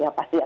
ya pasti akan